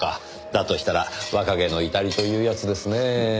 だとしたら若気の至りというやつですねぇ。